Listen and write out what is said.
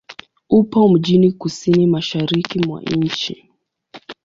Upo mjini kusini-mashariki mwa nchi.